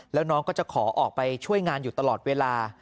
แล้วน้องก็จะขอออกไปช่วยงานอยู่ตลอดเวลา